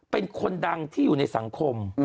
เป็นคนดังที่อยู่ในสังคม